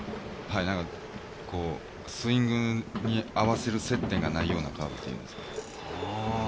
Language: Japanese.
スイングに合わせる接点がないようなカーブというんですか。